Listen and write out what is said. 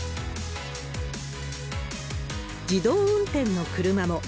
自動運転の車も。